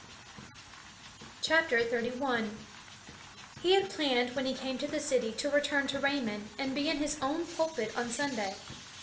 Chapter Thirty one HE had planned when he came to the city to return to Raymond and be in his own pulpit on Sunday.